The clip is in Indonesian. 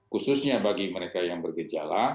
khususnya bagi mereka yang bergejala